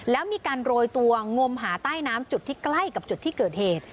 แล้วมีการโรยตัวงมหาใต้น้ำจุดที่ใกล้กับจุดที่เกิดเหตุ